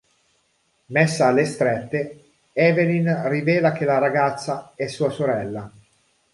Messa alle strette, Evelyn rivela che la ragazza è sua sorella.